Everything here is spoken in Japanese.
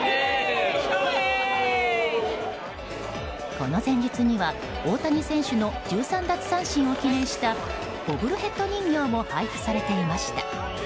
この前日には大谷選手の１３奪三振を記念したボブルヘッド人形も配布されていました。